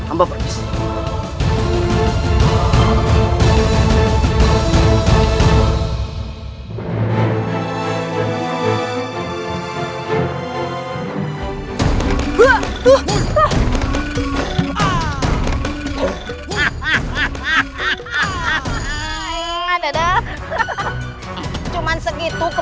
ampun pak bisik